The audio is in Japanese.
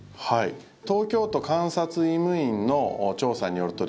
東京都監察医務院の調査によると